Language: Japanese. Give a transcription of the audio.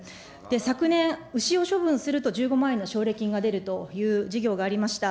昨年、牛を処分すると１５万円の奨励金が出るという事業がありました。